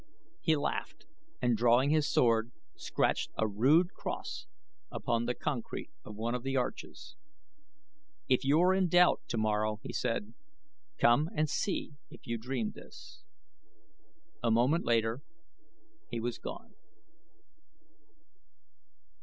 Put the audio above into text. He laughed and drawing his sword scratched a rude cross upon the concrete of one of the arches. "If you are in doubt tomorrow," he said, "come and see if you dreamed this." A moment later he was gone.